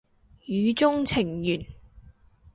語中程緣